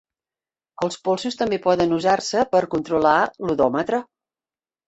Els polsos també poden usar-se per controlar l'hodòmetre.